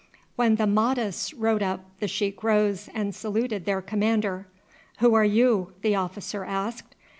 When the Mahdists rode up the sheik rose and saluted their commander. "Who are you?" the officer asked.